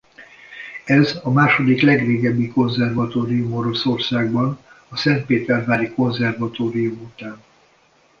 Ez a második legrégebbi konzervatórium Oroszországban a Szentpétervári Konzervatórium után.